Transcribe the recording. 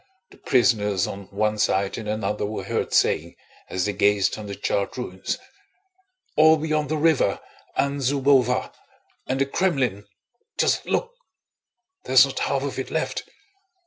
the prisoners on one side and another were heard saying as they gazed on the charred ruins. "All beyond the river, and Zúbova, and in the Krémlin.... Just look! There's not half of it left.